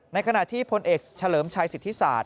ในขณะที่พลเอกชะเลิมชัยศิษฐิษศาสตร์